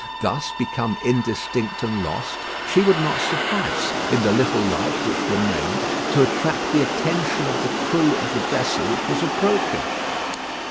Thus become indistinct and lost, she would not suffice, in the little light which remained, to attract the attention of the crew of the vessel which was approaching.